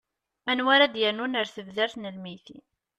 anwa ara d-yernun ar tebdart n lmeyytin